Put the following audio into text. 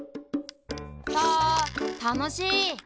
サたのしい！